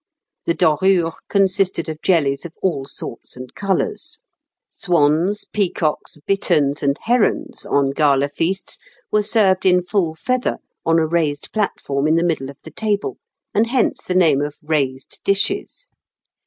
The dorures consisted of jellies of all sorts and colours; swans, peacocks, bitterns, and herons, on gala feasts, were served in full feather on a raised platform in the middle of the table, and hence the name of "raised dishes."